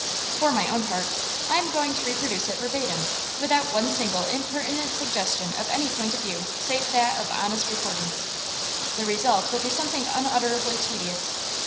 For my own part, I am going to reproduce it verbatim, without one single impertinent suggestion of any point of view save that of honest reporting. The result will be something unutterably tedious.